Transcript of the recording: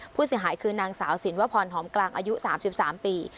ผู้เสียหายคือนางสาวสินวพรหอมกลางอายุ๓๓ปี